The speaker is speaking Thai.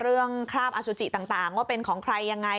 เรื่องคราบอัซูจิต่างว่าเป็นของใครจะยังไง